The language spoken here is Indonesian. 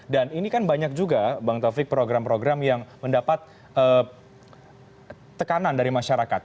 dan ini kan banyak juga bang taufik program program yang mendapat tekanan dari masyarakat